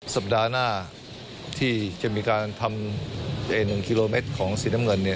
สัปดาห์หน้าที่จะมีการทำ๑กิโลเมตรของสีน้ำเงิน